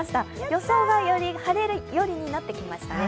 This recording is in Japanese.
予想が晴れ寄りになってきましたね。